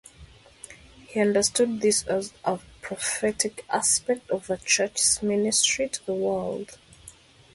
He understood this as a prophetic aspect of the Church's ministry to the world.